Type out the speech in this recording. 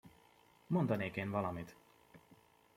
Mondanék én valamit!